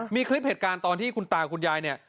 มีคลิปเหตุการณ์ตอนที่คุณตาคุณยายเนี่ย